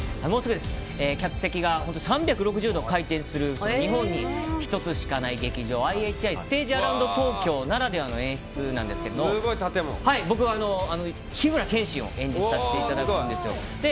客席が３６０度回転する日本に１つしかない劇場ＩＨＩステージアラウンド東京ならではの演出なんですけど僕は緋村剣心を演じさせていただくんですよ。